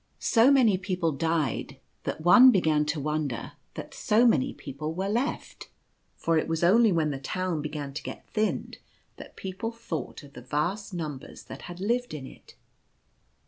So many people died that one began to wonder that so Knoal summoned. 67 many were left ; for it was only when the town began to get thinned that people thought of the vast numbers that had lived in it.